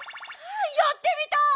やってみたい！